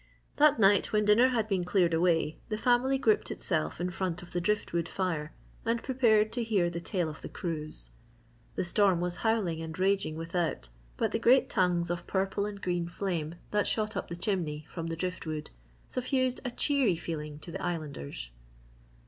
That night when dinner had been cleared away, the family grouped itself in front of the drift wood fire and prepared to hear the tale of the cruise. The storm was howling and raging without but the great tongues of purple and green flame that shot up the chimney from the drift wood suffused a cheery feeling to the Islanders.